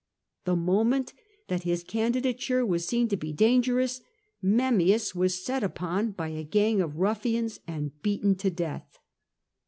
The moment that his candidature was seen to be dangerous, Memmius was set upon by a gang of ruffians and beaten to death.